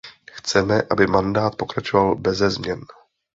Chceme, aby mandát pokračoval beze změn.